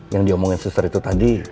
yang diomongin suster itu tadi